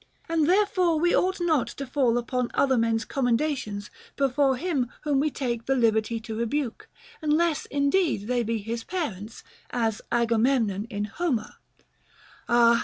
And there fore we ought not to fall upon other men's commendations before him whom we take the liberty to rebuke, unless in deed they be his parents ; as Agamemnon in Homer, — Ah